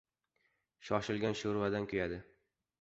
• Shoshilgan sho‘rvadan kuyadi.